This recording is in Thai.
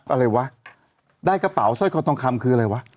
อะไรวะได้กระเป๋าสร้อยคอทองคำคืออะไรวะ